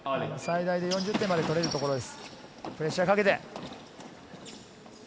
最大４０点まで取れるところです。